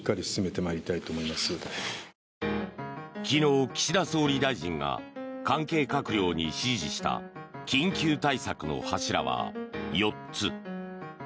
昨日、岸田総理大臣が関係閣僚に指示した緊急対策の柱は４つ。